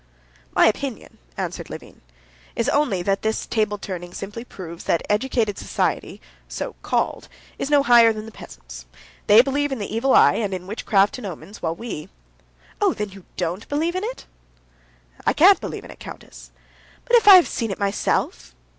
"My opinion," answered Levin, "is only that this table turning simply proves that educated society—so called—is no higher than the peasants. They believe in the evil eye, and in witchcraft and omens, while we...." "Oh, then you don't believe in it?" "I can't believe in it, countess." "But if I've seen it myself?"